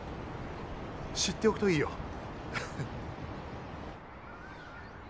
知っておくといいよ。